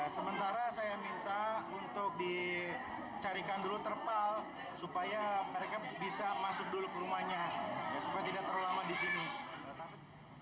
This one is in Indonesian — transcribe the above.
sementara saya minta untuk dicarikan dulu terpal supaya mereka bisa masuk dulu ke rumahnya supaya tidak terlalu lama di sini